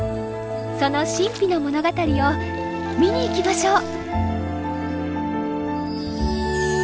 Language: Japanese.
その神秘の物語を見に行きましょう！